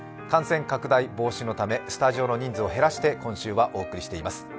感染拡大防止のためスタジオの人数を減らして今週はお送りしています。